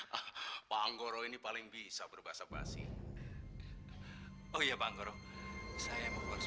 hai ah panggoro ini paling bisa berbahasa bahasi oh iya bang gro saya mau berusaha